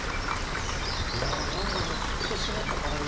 うわ南蛮のピッと締まった辛み。